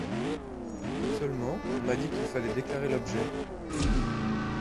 Seulement, on m’a dit qu’il fallait déclarer l’objet !…